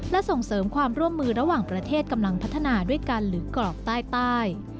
และส่งเสริมความร่วมมือระหว่างประเทศกำลังพัฒนาด้วยกันหรือกรอบใต้